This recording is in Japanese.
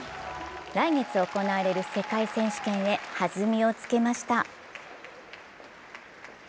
来月行われる世界選手権へ弾みをつけました。